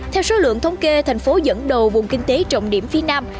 theo số lượng thông kê thành phố dẫn đầu vùng kinh tế trọng điểm phi nam